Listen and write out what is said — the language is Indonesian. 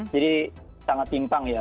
jadi sangat timpang ya